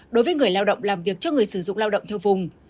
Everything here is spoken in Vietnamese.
đối với người lao động làm việc cho người sử dụng lao động theo vùng